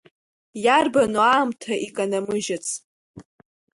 Иарбану аамҭа иканамыжьыц!